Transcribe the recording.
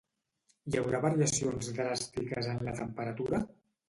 Hi haurà variacions dràstiques en la temperatura?